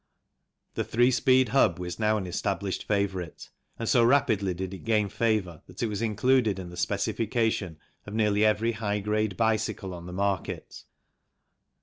The three speed hub was now an established favourite, and so rapidly did it gain favour that it was included in the specification of nearly every high grade bicycle on the market.